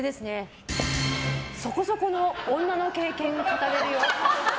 そこそこの女の経験語れるよ。